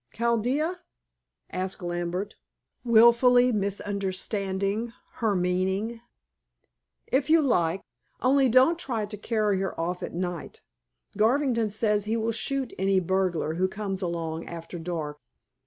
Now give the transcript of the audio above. "Chaldea?" asked Lambert, wilfully misunderstanding her meaning. "If you like. Only don't try to carry her off at night. Garvington says he will shoot any burglar who comes along after dark."